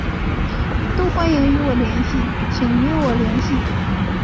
都欢迎与我联系请与我联系